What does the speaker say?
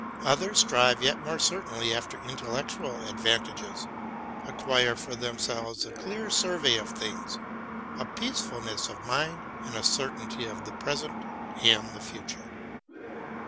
Others strive yet more certainly after intellectual advantages, ac quire for themselves a clear survey of things, a peacefulness of mind, and a certainty for the present and the future.